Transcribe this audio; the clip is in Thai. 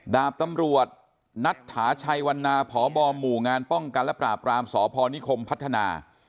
ดาบตำรวจนัทถาชัยวันนาพบหมู่งานป้องกันและปราบรามสพนิคมพัฒนา